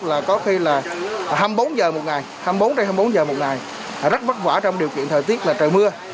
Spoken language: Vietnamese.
là có khi là hai mươi bốn h một ngày hai mươi bốn trên hai mươi bốn giờ một ngày rất vất vả trong điều kiện thời tiết là trời mưa